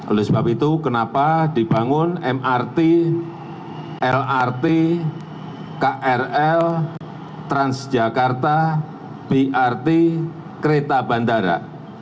oleh sebab itu kenapa dibangun mrt lrt krl transjakarta brt kereta bandara